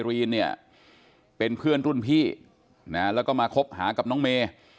เรนเป็นเพื่อนรุ่นพี่และมาคบหากับน้องเม